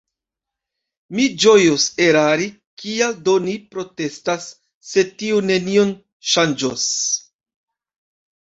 Mi ĝojus erari … Kial do ni protestas, se tio nenion ŝanĝos?